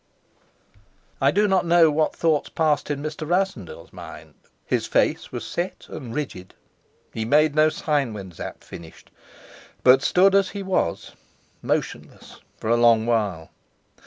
I do not know what thoughts passed in Mr. Rassendyll's mind. His face was set and rigid. He made no sign when Sapt finished, but stood as he was, motionless, for a long while.